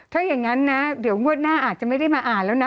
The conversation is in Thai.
ถ้าอย่างนั้นนะเดี๋ยวงวดหน้าอาจจะไม่ได้มาอ่านแล้วนะ